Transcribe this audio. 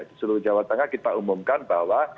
di seluruh jawa tengah kita umumkan bahwa